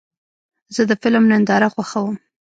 زه د فلم ننداره خوښوم.